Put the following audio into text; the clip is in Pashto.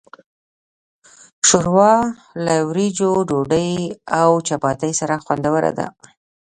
ښوروا له وریژو، ډوډۍ، او چپاتي سره خوندوره ده.